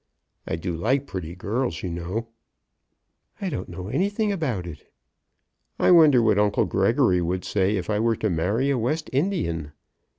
"I do like pretty girls, you know." "I don't know anything about it." "I wonder what uncle Gregory would say if I were to marry a West Indian!